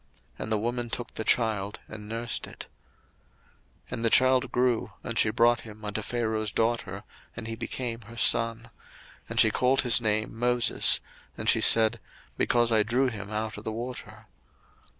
And the woman took the child, and nursed it. 02:002:010 And the child grew, and she brought him unto Pharaoh's daughter, and he became her son. And she called his name Moses: and she said, Because I drew him out of the water.